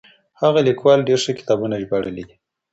هغه ليکوال ډېر ښه کتابونه ژباړلي دي.